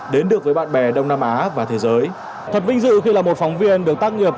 đến được với bạn bè đông nam á và thế giới thật vinh dự khi là một phóng viên được tác nghiệp